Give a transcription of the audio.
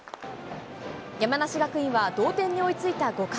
山梨学院は同点に追いついた５回。